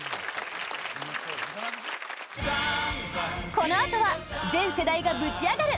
このあとは全世代がぶちアガる！